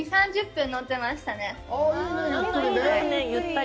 ２０３０分、乗ってましたね。